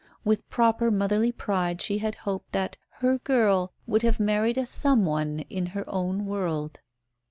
With proper motherly pride she had hoped that "her girl" would have married a "some one" in her own world.